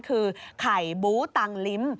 คือไข่บูตังลิ้ม